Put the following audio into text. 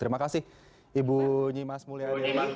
terima kasih ibu nyimas mulyadirman